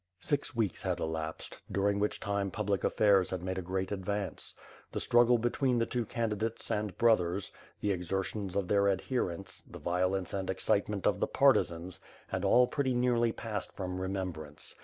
Six weeks had elapsed, during which time public affairs had made a great advance. The struggle between the two candi dates, and brothers, the exertions of their adherents, the violence and excitement of the partisans, had all pretty nearly passed from remembrance.